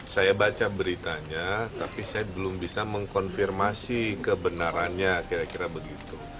saya baca beritanya tapi saya belum bisa mengkonfirmasi kebenarannya kira kira begitu